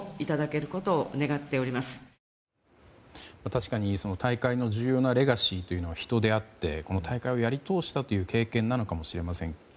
確かに大会の重要なレガシーというのは人であって、この大会をやり通したという経験なのかもしれません。